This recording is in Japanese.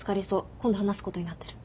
今度話すことになってる。